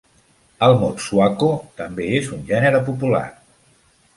El motswako també és un gènere popular.